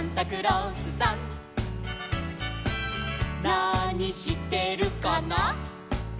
「なにしてるかな」